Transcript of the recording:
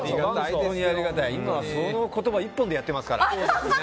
今は、その言葉一本でやってますから。